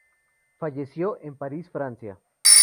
Falleció en París, Francia.